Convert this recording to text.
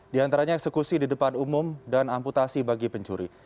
di antaranya eksekusi di depan umum dan amputasi bagi pencuri